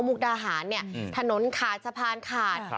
มุกดาหารเนี่ยถนนขาดสะพานขาด